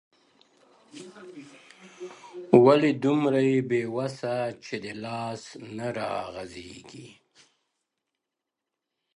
• ولي دومره یې بې وسه چي دي لاس نه را غځيږي ,